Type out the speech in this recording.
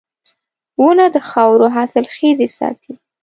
• ونه د خاورو حاصلخېزي ساتي.